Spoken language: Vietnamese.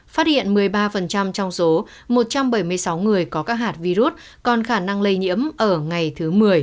phát hiện một mươi ba trong số một trăm bảy mươi sáu người có các hạt virus còn khả năng lây nhiễm ở ngày thứ một mươi